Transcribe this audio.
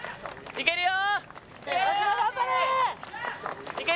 いけるよ！